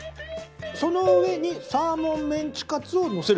その上にサーモンメンチカツをのせる。